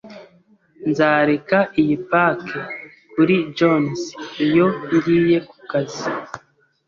Nzareka iyi pack kuri Jones 'iyo ngiye kukazi.